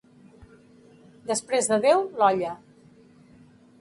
Després de Déu, l'olla.